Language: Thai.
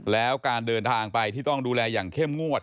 แล้วการเดินทางไปที่ต้องดูแลอย่างเข้มงวด